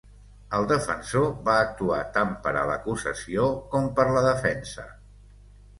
El defensor va actuar tant per a l'acusació com per la defensa.